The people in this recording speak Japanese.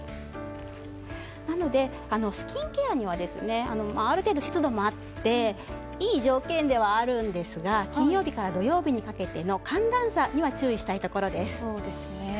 なので、スキンケアにはある程度湿度もあっていい条件ではあるんですが金曜日から土曜日にかけての寒暖差には注意したいところです。